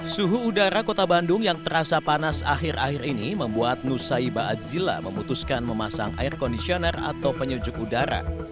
suhu udara kota bandung yang terasa panas akhir akhir ini membuat nusaiba adzila memutuskan memasang air kondisioner atau penyujuk udara